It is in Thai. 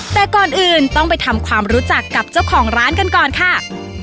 แต่ก่อนอื่นต้องไปทำความรู้จักกับเจ้าของร้านกันก่อนค่ะ